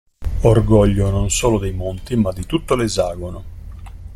Orgoglio non solo dei monti, ma di tutto l'esagono.